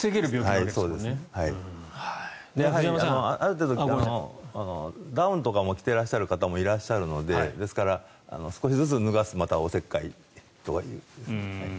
やはりある程度ダウンとかも着てらっしゃる方もいらっしゃるのでですから、少しずつ脱がすおせっかいという。